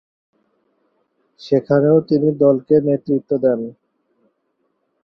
সেখানেও তিনি দলকে নেতৃত্ব দেন।